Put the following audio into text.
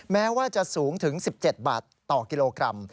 แม้ว่าจะสูงถึง๑๗บาทต่อกิโลกรัม